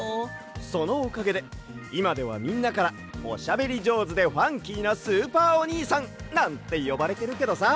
そのおかげでいまではみんなからおしゃべりじょうずでファンキーなスーパーおにいさんなんてよばれてるけどさ。